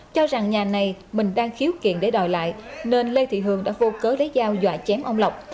cho rằng nhà này mình đang khiếu kiện để đòi lại nên lê thị hường đã vô cớ lấy dao dọa chém ông lộc